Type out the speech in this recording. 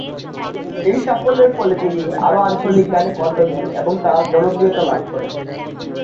এই সাফল্যের ফলে তিনি আরও আঞ্চলিক গানে কন্ঠ দেন এবং তা জনপ্রিয়তা লাভ করে।